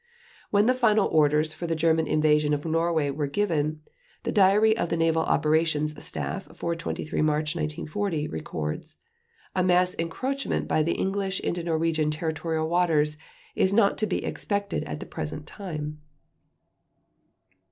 When the final orders for the German invasion of Norway were given, the diary of the Naval Operations Staff for 23 March 1940 records: "A mass encroachment by the English into Norwegian territorial waters ... is not to be expected at the present time."